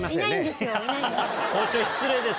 校長失礼です